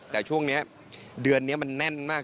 แต่ช่วงนี้เดือนนี้มันแน่นมาก